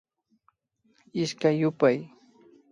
Ishkay yupay